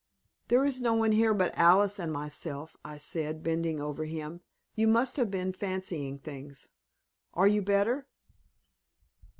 "There is no one here but Alice and myself," I said, bending over him. "You must have been fancying things. Are you better?"